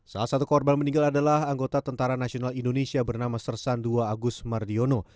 salah satu korban meninggal adalah anggota tentara nasional indonesia bernama sersan ii agus mardiono